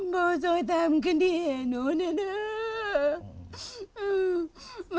พ่อช่วยแต่มันกันที่เห็นหนูนะครับ